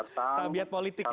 tabiat politik ya